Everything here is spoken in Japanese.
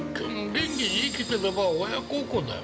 元気に生きてれば親孝行だよ。